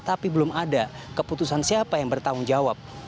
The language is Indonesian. tapi belum ada keputusan siapa yang bertanggung jawab